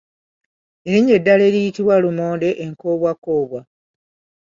Erinnya eddala eriyitibwa lumonde enkoobwakoobwa.